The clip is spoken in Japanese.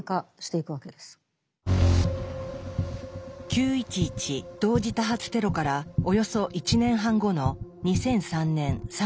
９．１１同時多発テロからおよそ１年半後の２００３年３月。